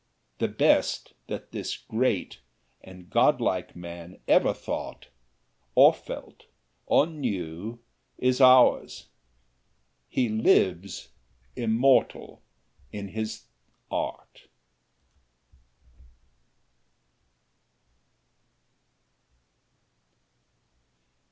The best that this great and godlike man ever thought, or felt, or knew, is ours he lives immortal in his Art.